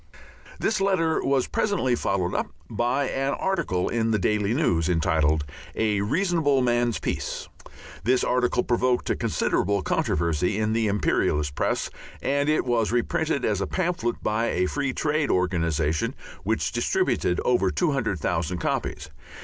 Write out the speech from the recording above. § 2 This letter was presently followed up by an article in the Daily News, entitled "A Reasonable Man's Peace." This article provoked a considerable controversy in the imperialist press, and it was reprinted as a pamphlet by a Free Trade organization, which distributed over 200,000 copies.